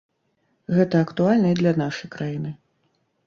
Гэта актуальна і для нашай краіны.